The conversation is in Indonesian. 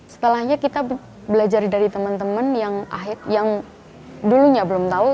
setelahnya kita belajar dari teman teman yang dulunya belum tahu